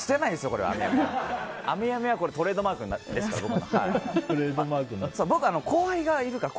これはトレードマークですから。